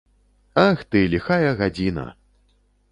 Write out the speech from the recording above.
Ах ты, ліхая гадзіна!